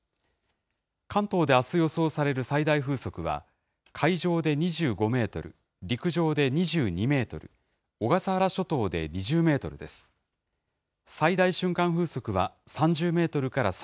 関東であす予想される最大風速は、海上で２５メートル、陸上で２２メートル、小笠原諸島で２０メートルです。